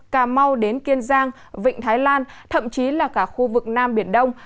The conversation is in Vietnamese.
cà mau đến kiên giang vịnh thái lan thậm chí là cả khu vực nam biển đông